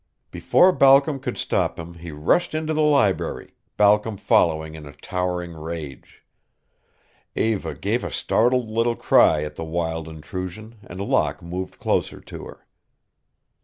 Before Balcom could stop him he rushed into the library, Balcom following in a towering rage. Eva gave a startled little cry at the wild intrusion and Locke moved closer to her.